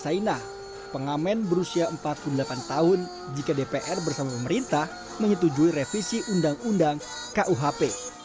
sainah pengamen berusia empat puluh delapan tahun jika dpr bersama pemerintah menyetujui revisi undang undang kuhp